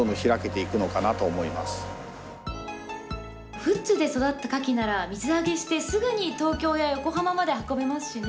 富津で育ったカキなら水揚げしてすぐに東京や横浜まで運べますしね。